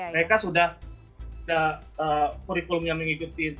mereka sudah kurikulumnya mengikuti